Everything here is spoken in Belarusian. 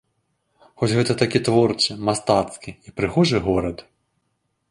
Хоць гэта такі творчы, мастацкі і прыгожы горад!